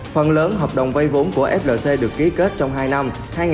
phần lớn hợp đồng vay vốn của flc được ký kết trong hai năm